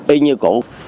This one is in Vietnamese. y như cũ